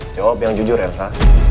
jawab yang jujur elsa